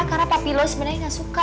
karena papi lo sebenernya gak suka